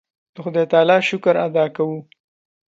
د خدای تعالی شکر ادا کوو.